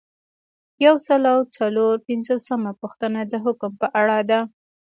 یو سل او څلور پنځوسمه پوښتنه د حکم په اړه ده.